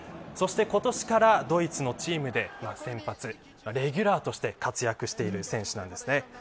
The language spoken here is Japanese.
今年からドイツのチームで先発レギュラーとして活躍している選手です。